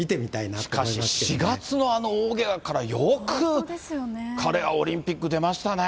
しかし、４月のあの大けがから、よく彼は、オリンピック出ましたね。